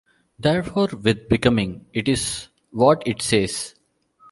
Therefore, with 'Becoming,' it is what it says.